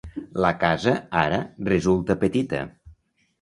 La casa, ara, resulta petita.